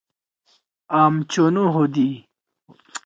آم چونو ہودُی۔